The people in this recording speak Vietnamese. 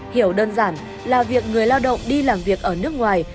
hiểu đơn giản là việc người lao động đi làm việc ở nước ngoài